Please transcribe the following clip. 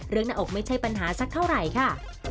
หน้าอกไม่ใช่ปัญหาสักเท่าไหร่ค่ะ